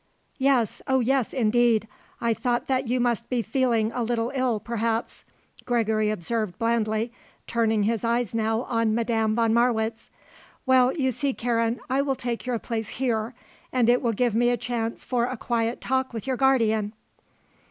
"Yes, oh yes, indeed, I thought that you must be feeling a little ill, perhaps," Gregory observed blandly, turning his eyes now on Madame von Marwitz. "Well, you see, Karen, I will take your place here, and it will give me a chance for a quiet talk with your guardian."